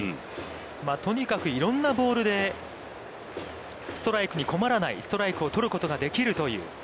とにかくいろんなボールでストライクに困らない、ストライクを取ることができるという。